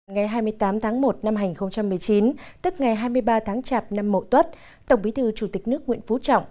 ngày hai mươi tám tháng một năm hai nghìn một mươi chín tức ngày hai mươi ba tháng chạp năm mậu tuất tổng bí thư chủ tịch nước nguyễn phú trọng